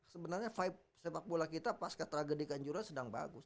sebenarnya vibe sepak bola kita pas ketragedi kanjuran sedang bagus